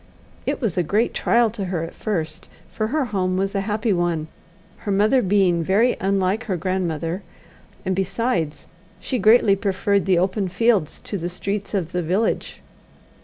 It was a great trial to her at first, for her home was a happy one, her mother being very unlike her grandmother; and, besides, she greatly preferred the open fields to the streets of the village.